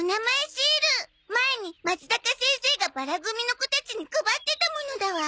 シール前にまつざか先生がばら組の子たちに配ってたものだわ。